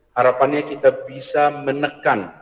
harapannya kita bisa menekan kasus yang berpengaruh